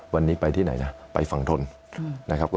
วันนี้ไปที่ไหนนะไปฝั่งธนธรรม